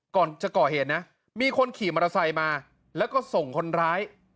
ก่อนจะก่อเหตุนะมีคนขี่มอเตอร์ไซค์มาแล้วก็ส่งคนร้าย